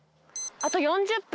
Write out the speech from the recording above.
あと４０分。